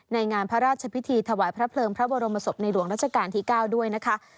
งานพระราชพิธีถวายพระเพลิงพระบรมศพในหลวงราชการที่๙ด้วยนะคะ